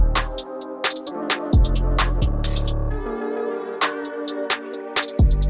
ถ้าเอาไปคุณส